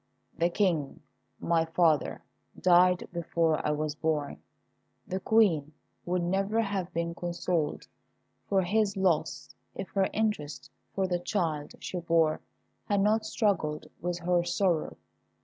The King, my father, died before I was born. The Queen would never have been consoled for his loss if her interest for the child she bore had not struggled with her sorrow.